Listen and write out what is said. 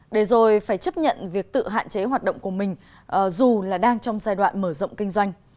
để rồi phải chấp nhận việc tự hạn chế hoạt động của mình dù là đang trong giai đoạn mở rộng kinh doanh